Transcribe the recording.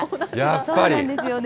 そうなんですよね。